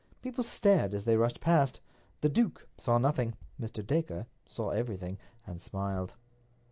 People stared as they rushed past. The duke saw nothing. Mr. Dacre saw everything, and smiled.